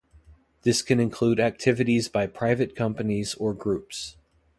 This can include activities by private companies or groups.